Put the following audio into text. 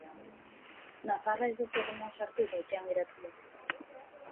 Nafarra ez da zerrendan sartu eta etxean geratu da.